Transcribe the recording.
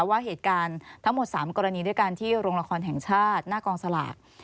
ว่าเหตุการณ์ทั้งหมด๓กรณีด้วยกันที่โรงละครแห่งชาติหน้ากองสลาก